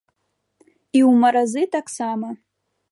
І ў маразы таксама.